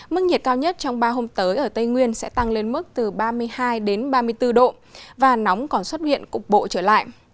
mức nhiệt cao nhất trong ba hôm tới ở tây nguyên sẽ tăng lên mức từ ba mươi hai đến ba mươi bốn độ và nóng còn xuất hiện cục bộ trở lại